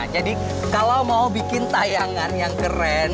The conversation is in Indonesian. jadi kalau mau bikin tayangan yang keren